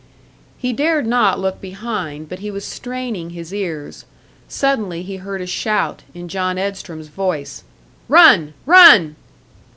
He dared not look behind, but he was straining his ears. Suddenly he heard a shout, in John Edstrom's voice. "Run! Run!"